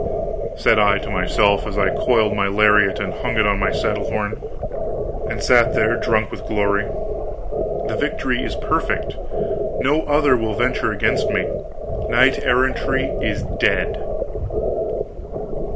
Said I to myself, as I coiled my lariat and hung it on my saddle horn, and sat there drunk with glory, "The victory is perfect no other will venture against me knight errantry is dead."